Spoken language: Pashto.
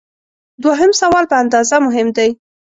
دوهم سوال په اندازه مهم دی.